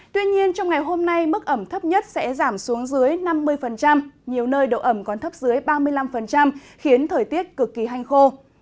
tuy nhiên trong ngày hôm nay mức ẩm thấp nhất sẽ giảm xuống dưới năm mươi nhiều nơi độ ẩm còn thấp dưới ba mươi năm khiến thời tiết cực kỳ hanh khô